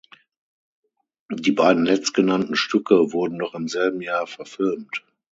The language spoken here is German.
Die beiden letztgenannten Stücke wurden noch im selben Jahr verfilmt.